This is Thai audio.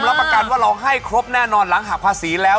รับประกันว่าลองให้ครบแน่นอนหลังหักภาษีแล้ว